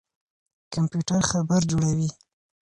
کمپيوټر خبر جوړوي.